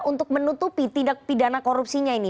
untuk menutupi tindak pidana korupsinya ini